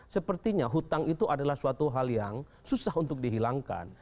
sepertinya hutang itu adalah suatu hal yang susah untuk dihilangkan